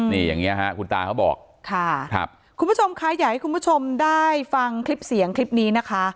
นี่อย่างเงี้ฮะคุณตาเขาบอกค่ะครับคุณผู้ชมคะอยากให้คุณผู้ชมได้ฟังคลิปเสียงคลิปนี้นะคะ